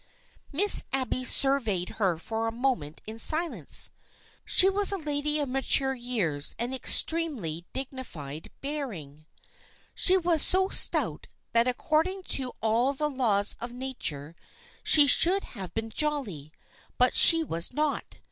" THE FRIENDSHIP OF ANNE 265 Miss Abby surveyed her for a moment in silence. She was a lady of mature years and extremely dig nified bearing. She was so stout that according to all the laws of nature she should have been jolly, but she was not.